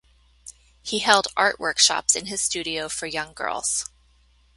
He held art workshops in his studio for young girls.